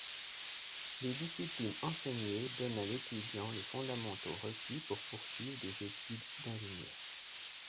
Les disciplines enseignées donnent à l'étudiant les fondamentaux requis pour poursuivre des études d'ingénieurs.